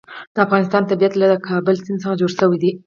د افغانستان طبیعت له د کابل سیند څخه جوړ شوی دی.